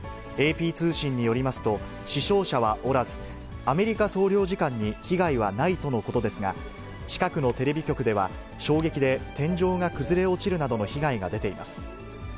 ＡＰ通信によりますと、死傷者はおらず、アメリカ総領事館に被害はないとのことですが、近くのテレビ局では、衝撃で天井が崩れ落ちるなどの被害が出ています。